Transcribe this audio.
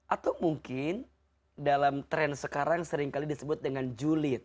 atau mungkin dalam tren sekarang seringkali disebut dengan julid